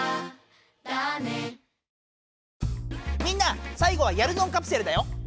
みんなさい後はやるぞんカプセルだよ！